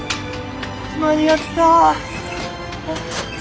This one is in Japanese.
間に合ったぁ。